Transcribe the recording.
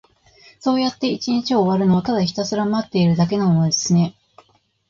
そうやって一日が終わるのを、ただひたすら待っているだけなのですね。